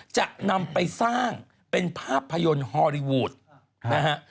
จะนำไปสร้างเป็นภาพยนตร์ฮอลลีวูดนะฮะ